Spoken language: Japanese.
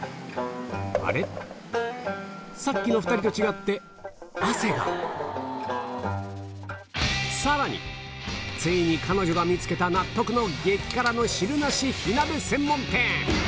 さっきの２人と違ってさらについに彼女が見つけた納得の激辛の汁なし火鍋専門店